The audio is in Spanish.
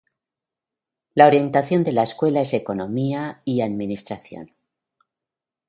La orientación de la escuela es economía y administración.